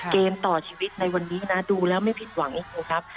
เกมต่อชีวิตในวันนี้นะดูแล้วไม่ผิดหวังนะครับ